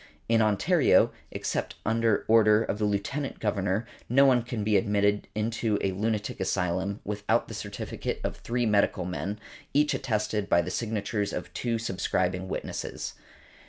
In Ontario, except under order of the Lieutenant Governor, no one can be admitted into a lunatic asylum without the certificate of three medical men, each attested by the signatures of two subscribing witnesses.